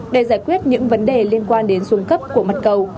để giải quyết những vấn đề liên quan đến xuống cấp của mặt cầu